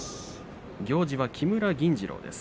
行司は木村銀治郎です。